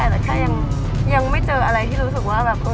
แต่แค่ยังไม่เจออะไรที่รู้สึกว่าแบบ